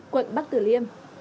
quận bắc tử liêm